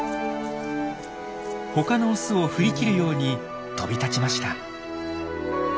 ほかのオスを振り切るように飛び立ちました。